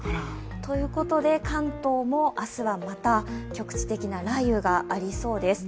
ということで、関東も明日はまた局地的な雷雨がありそうです。